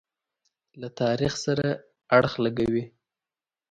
له تاریخ سره اړخ لګوي.